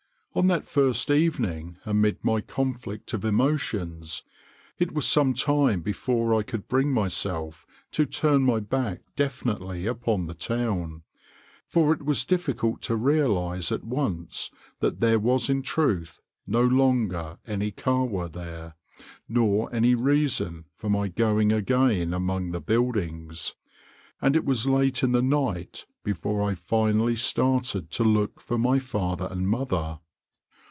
On that first evening, amid my conflict of emotions, it was some time before I could bring myself to turn my back definitely upon the town; for it was difficult to realize at once that there was in truth no longer any Kahwa there, nor any reason for my going again among the buildings, and it was late in the night before I finally started to look for my father and mother.